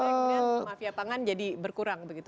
kemudian mafia pangan jadi berkurang begitu